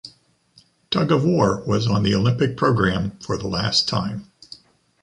Tug of war was on the Olympic program for the last time.